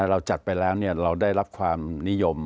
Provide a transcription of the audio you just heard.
เราจัดไปแล้วเราได้รับความนิยม